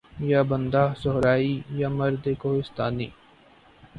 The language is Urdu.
یا بندہ صحرائی یا مرد کہستانی